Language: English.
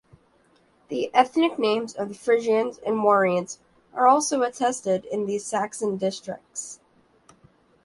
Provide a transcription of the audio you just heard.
The ethnic names of Frisians and Warines are also attested in these Saxon districts.